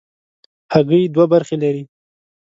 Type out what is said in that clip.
هګۍ دوه برخې لري.